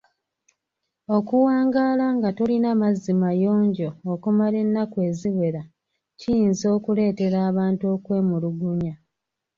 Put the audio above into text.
Okuwangaala nga tolina mazzi mayonjo okumala ennaku eziwera kiyinza okuleetera abantu okwemulugunya.